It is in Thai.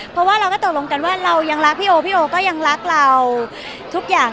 เพราะว่าเราก็ตกลงกันว่าเรายังรักพี่โอพี่โอก็ยังรักเราทุกอย่าง